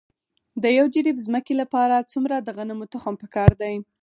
د یو جریب ځمکې لپاره څومره د غنمو تخم پکار دی؟